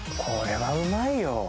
これはうまいよ。